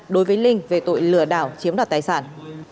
đối với linh về tội lừa đảo chiếm đoạt tài sản